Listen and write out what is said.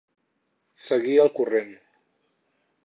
Seguir el corrent.